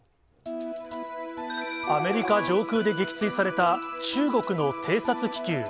アメリカ上空で撃墜された、中国の偵察気球。